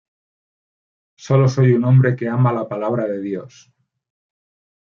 Sólo soy un hombre que ama la Palabra de Dios".